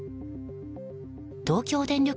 東京電力